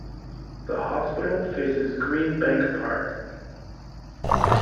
The hospital faces Greenbank Park.